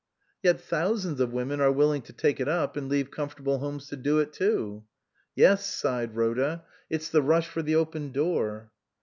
" Yet thousands of women are willing to take it up, and leave comfortable homes to do it too." " Yes," sighed Rhoda, " it's the rush for the open door."